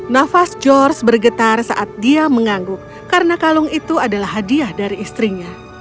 nafas george bergetar saat dia mengangguk karena kalung itu adalah hadiah dari istrinya